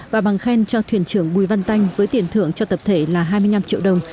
và bằng khen cho thuyền trưởng bùi văn danh với tiền thưởng cho tập thể là hai mươi năm triệu đồng